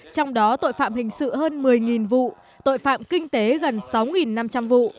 trong đó tội phạm hình sự hơn một mươi vụ tội phạm kinh tế gần sáu năm trăm linh vụ